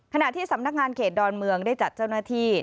ขณะที่สำนักงานเขตดอนเมืองได้จัดเจ้าหน้าที่